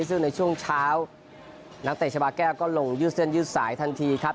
ซึ่งในช่วงเช้านักเตะชาบาแก้วก็ลงยืดเส้นยืดสายทันทีครับ